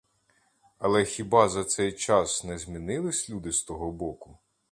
Але хіба за цей час не змінились люди з того боку?